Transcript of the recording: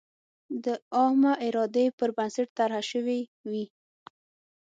د عامه ارادې پر بنسټ طرحه شوې وي.